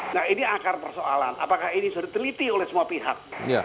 nah ini akar persoalan apakah ini sudah diteliti oleh semua pihak